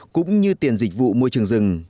cũng như tiền dịch vụ môi trường rừng